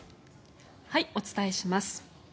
お伝えします。